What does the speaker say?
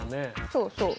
そうそう。